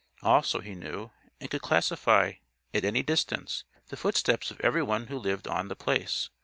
Also, he knew and could classify, at any distance, the footsteps of everyone who lived on The Place.